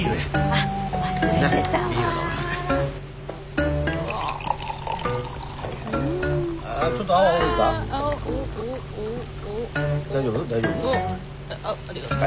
あっありがとう。